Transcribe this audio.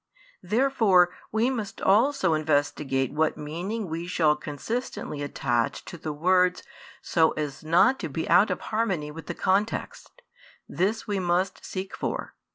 Therefore we must also investigate what meaning we shall consistently attach to the words so as not to be out of harmony with the context; this we must seek for.